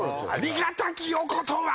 ありがたきお言葉！